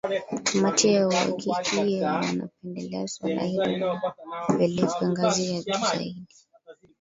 kamati ya uhakiki na wanapendelea suala hilo lipelekwe ngazi ya juu zaidi